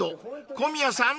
［小宮さん